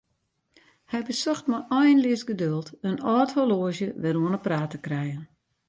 Hy besocht mei einleas geduld in âld horloazje wer oan 'e praat te krijen.